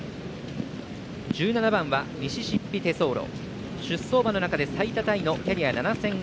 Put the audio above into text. １７番ミシシッピテソーロ。